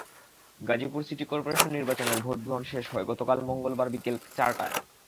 Gazipur city corporation নির্বাচনের ভোটগ্রহণ শেষ হয় গতকাল মঙ্গলবার বিকেল চারটায়।